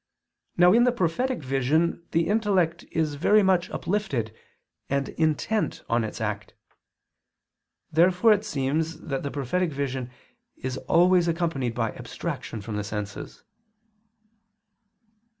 Now in the prophetic vision the intellect is very much uplifted, and intent on its act. Therefore it seems that the prophetic vision is always accompanied by abstraction from the senses.